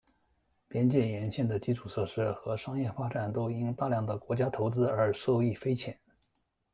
边界沿线的基础设施和商业发展都因大量的国家投资而受益匪浅。